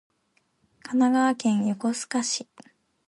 神奈川県横須賀市